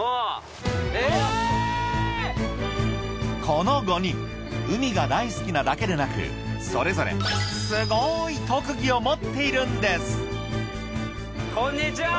この５人海が大好きなだけでなくそれぞれすごい特技を持っているんですこんにちは。